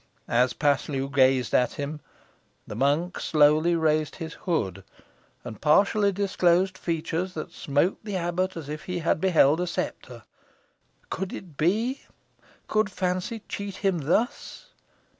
As Paslew gazed at him, the monk slowly raised his hood, and partially disclosed features that smote the abbot as if he had beheld a spectre. Could it be? Could fancy cheat him thus?